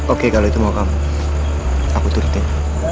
oke kalau itu mau kamu aku turutin